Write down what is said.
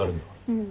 うん。